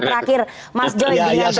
terakhir mas joy